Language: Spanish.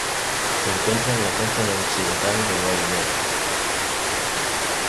Se encuentra en la costa noroccidental de Nueva Guinea.